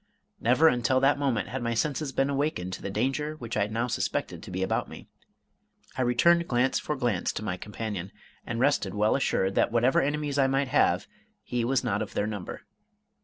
Never until that moment had my senses been awakened to the danger which I now suspected to be about me. I returned glance for glance to my companion, and rested well assured that whatever enemies I might have, he was not of their number.